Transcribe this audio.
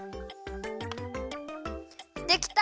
できた！